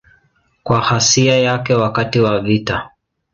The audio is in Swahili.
Kwa ghasia yake wakati wa vita.